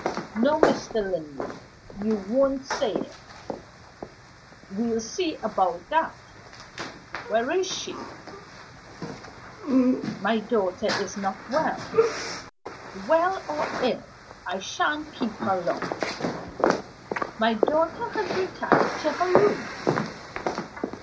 "No, Mr. Linley, you won't say it." "We'll see about that! Where is she?" "My daughter is not well." "Well or ill, I shan't keep her long." "My daughter has retired to her room."